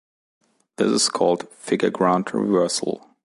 This is called figure-ground reversal.